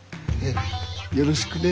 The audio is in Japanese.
よろしくね。